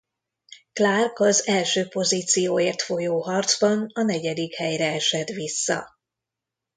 Clark az első pozícióért folyó harcban a negyedik helyre esett vissza.